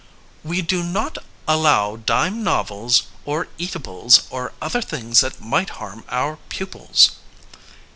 "We do not allow dime novels, or, eatables, or other things that might harm our pupils."